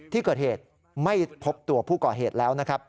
ที่เกิดเหตุไม่พบตัวผู้ก่อเหตุแล้วนะครับ